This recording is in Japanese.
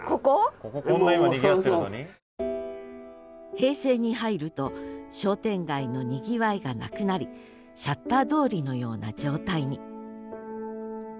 平成に入ると商店街のにぎわいがなくなりシャッター通りのような状態に。